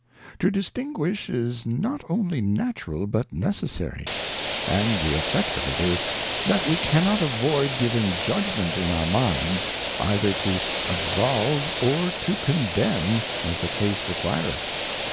To distinguish is not only natural but necessary ; and the Effect of it is, That we cannot avoid giving Judgment in our Minds, either to absolve or to condemn as the Case requireth.